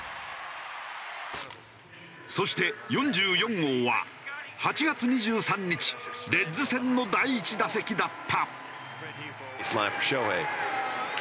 そして４４号は８月２３日レッズ戦の第１打席だった。